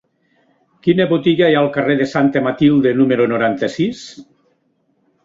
Quina botiga hi ha al carrer de Santa Matilde número noranta-sis?